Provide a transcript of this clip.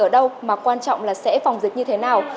ở đâu mà quan trọng là sẽ phòng dịch như thế nào